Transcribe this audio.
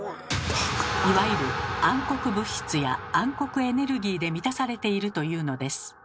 いわゆる暗黒物質や暗黒エネルギーで満たされているというのです。